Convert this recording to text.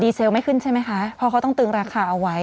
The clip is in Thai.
เซลไม่ขึ้นใช่ไหมคะเพราะเขาต้องตึงราคาเอาไว้